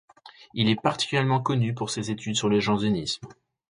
Il est particulièrement connu pour ses études sur le jansénisme.